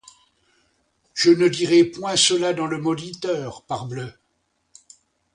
Je ne dirais point cela dans le Moniteur, parbleu!